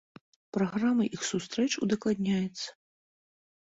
Праграма іх сустрэч удакладняецца.